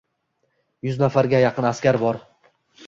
yuz nafarga yaqin askar bor.